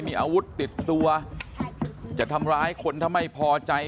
มีอาวุธติดตัวจะทำร้ายคนถ้าไม่พอใจ